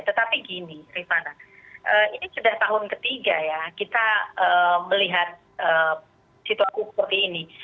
tetapi gini rifana ini sudah tahun ketiga ya kita melihat situasi seperti ini